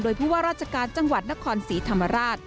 โดยผู้ว่าราชการจังหวัดนครศรีธรรมราช